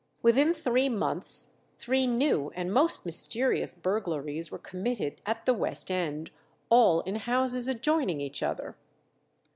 Within three months, three new and most mysterious burglaries were committed at the West End, all in houses adjoining each other.